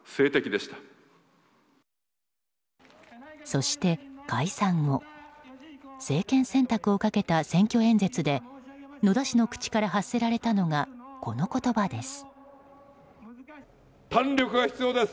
そして、解散後政権選択をかけた選挙演説で野田氏の口から発せられたのがこの言葉です。